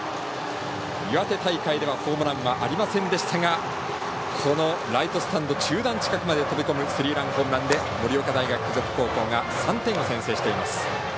岩手大会ではホームランはありませんでしたがこのライトスタンド中段近くまで届くスリーランホームランで盛岡大学付属高校が３点を先制しています。